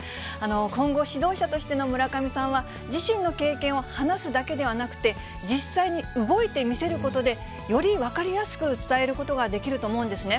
今後、指導者としての村上さんは、自身の経験を話すだけではなくて、実際に動いて見せることで、より分かりやすく伝えることができると思うんですね。